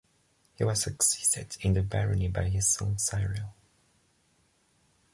He was succeeded in the barony by his son Cyril.